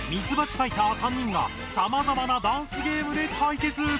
ファイター３人がさまざまなダンスゲームで対決！